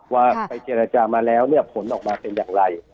ว่าไปเจรจามาแล้วเนี่ยผลออกมาเป็นอย่างไร